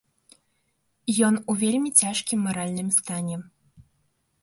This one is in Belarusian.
Ён у вельмі цяжкім маральным стане.